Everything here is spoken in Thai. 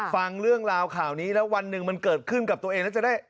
ฟังเรื่องราวข่าวนี้แล้ววันหนึ่งมันเกิดขึ้นกับตัวเองแล้วจะได้